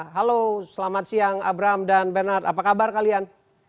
halo selamat siang abram dan bernard apa kabar kalian